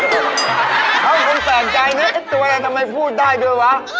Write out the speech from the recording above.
เขาเป็นแฝงใจนะตัวเองทำไมพูดได้ด้วยวะ